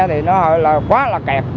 thì nó hơi là quá là kẹt